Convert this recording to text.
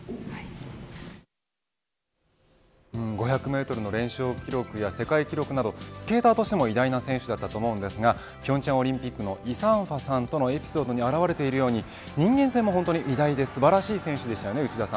５００メートルの連勝記録や世界記録などスケーターとしても偉大な選手だったと思いますが平昌オリンピックのイ・サンファさんとのエピソードに表れているように人間性も偉大で素晴らしい選手でした。